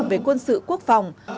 với quân sự quốc phòng